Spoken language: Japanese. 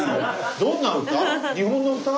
どんな歌？